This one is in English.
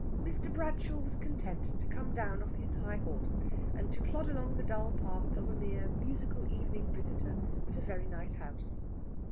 Mr. Bradshaw was content to come down off his high horse, and to plod along the dull path of a mere musical evening visitor at a very nice house.